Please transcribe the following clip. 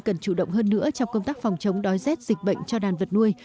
cần chủ động hơn nữa trong công tác phòng chống đói rét dịch bệnh cho đàn vật nuôi